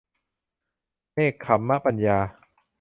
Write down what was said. เนกขัมมะปัญญา